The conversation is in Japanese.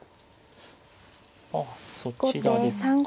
あっそちらですか。